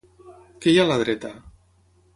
Què hi ha a la dreta?